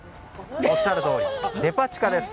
おっしゃるとおりデパ地下です。